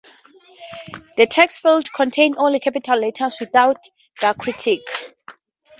The text fields contain only capital letters without diacritics.